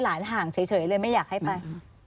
ห่างเฉยเลยไม่อยากให้ไป